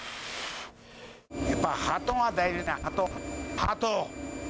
やっぱハートが大事だ、ハート。